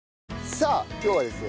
さあ今日はですね